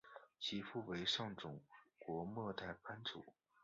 其父为上总国末代藩主。